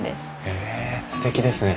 へえすてきですね。